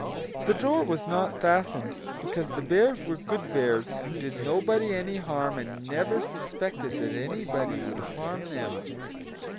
The door was not fastened, because the Bears were good Bears, who did nobody any harm, and never suspected that anybody would harm them.